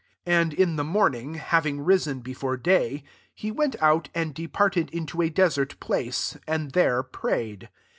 35 And in the morning, hav ing risen before day, he went out, and departed into a desert place, and there prayed.